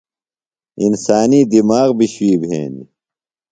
انسانی دِماغ بیۡ شُوئی بھینیۡ۔